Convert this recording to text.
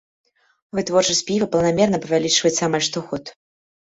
Вытворчасць піва планамерна павялічваецца амаль штогод.